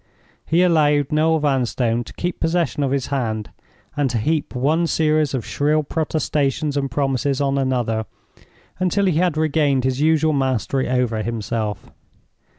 He allowed Noel Vanstone to keep possession of his hand, and to heap one series of shrill protestations and promises on another, until he had regained his usual mastery over himself.